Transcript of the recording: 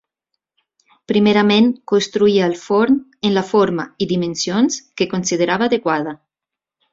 Primerament construïa el forn en la forma i dimensions que considerava adequada.